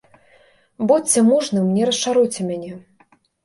Будзьце мужным, не расчаруйце мяне!